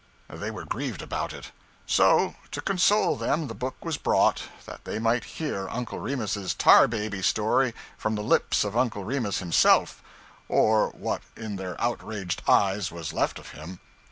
They were grieved about it. So, to console them, the book was brought, that they might hear Uncle Remus's Tar Baby story from the lips of Uncle Remus himself or what, in their outraged eyes, was left of him.